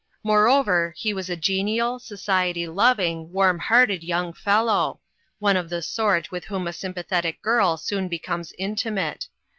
Moreover, he was a genial, society loving, warm hearted young fellow ; one of the sort with whom a sympathetic girl soon becomes intimate.